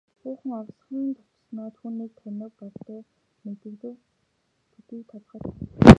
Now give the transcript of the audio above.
Хүүхэн овсхийн цочсоноо түүнийг танив бололтой мэдэгдэм төдий толгой дохив.